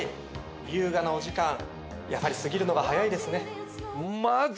優雅なお時間やはり過ぎるのが早いですね。